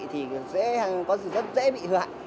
thì sẽ có rất dễ bị hư hạn